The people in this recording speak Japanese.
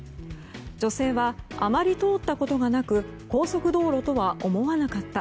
女性はあまり通ったことがなく高速道路とは思わなかった。